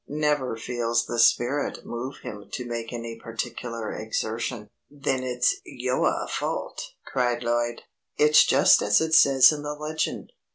"Never feels the spirit move him to make any particular exertion." "Then it's yoah own fault!" cried Lloyd. "It's just as it says in the legend.